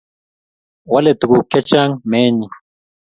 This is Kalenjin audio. Wale tuguk chechang meenyi